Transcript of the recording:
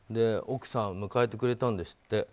奥さん、迎えてくれたんですって。